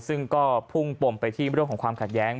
ซึ่งก็พุ่งปมไปที่เรื่องของความขัดแย้ง